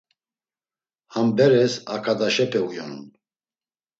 Ham beres aǩadaşepe uyonun.